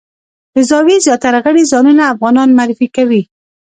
د زاویې زیاتره غړي ځانونه افغانان معرفي کوي.